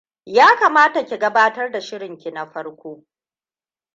Ya kamata ki gabatar da shirinki na farko.